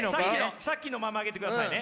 さっきのまま上げてくださいね。